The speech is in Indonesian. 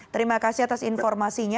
terima kasih atas informasinya